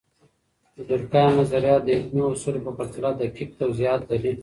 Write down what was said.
د دورکهايم نظریات د علمي اصولو په پرتله دقیق توضیحات لري.